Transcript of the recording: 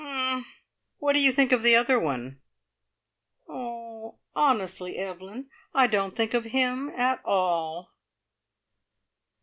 "Er what do you think of the other one?" "Er honestly, Evelyn, I don't think of him at all!"